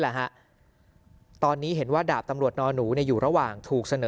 แหละฮะตอนนี้เห็นว่าดาบตำรวจนอหนูเนี่ยอยู่ระหว่างถูกเสนอ